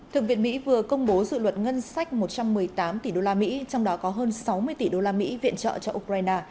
thượng viện mỹ vừa công bố dự luật ngân sách một trăm một mươi tám tỷ đô la mỹ trong đó có hơn sáu mươi tỷ đô la mỹ viện trợ cho ukraine